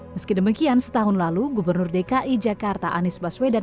meski demikian setahun lalu gubernur dki jakarta anies baswedan